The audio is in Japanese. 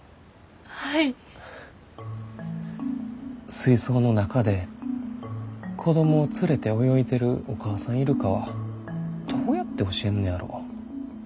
水槽の中で子供を連れて泳いでるお母さんイルカはどうやって教えんねやろ？